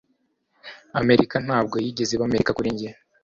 Amerika ntabwo yigeze iba Amerika kuri njye.